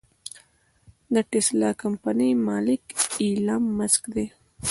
د ټسلا کمپنۍ مالک ايلام مسک دې.